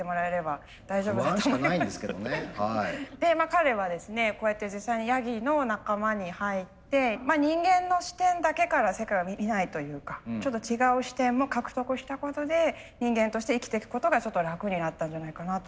彼はですねこうやって実際にヤギの仲間に入って人間の視点だけから世界を見ないというかちょっと違う視点も獲得したことで人間として生きてくことがちょっと楽になったんじゃないかなと。